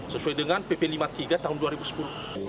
sesuai dengan pp lima puluh tiga tahun dua ribu sepuluh